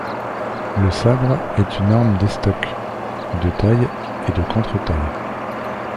Le sabre est une arme d’estoc, de taille et de contre taille.